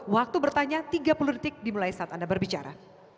waktu bertanya tiga puluh detik dimulai saat anda berbicara